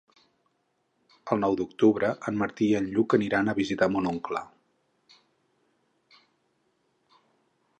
El nou d'octubre en Martí i en Lluc aniran a visitar mon oncle.